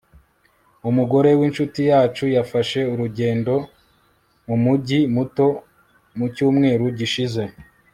Umugore winshuti yacu yafashe urugendo mumujyi muto mucyumweru gishize